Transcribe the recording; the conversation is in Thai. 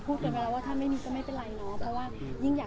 พูดกันกันแล้วว่าถ้าไม่มีก็ไม่เป็นไรเนาะ